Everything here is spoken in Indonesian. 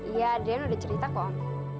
iya dia udah cerita kok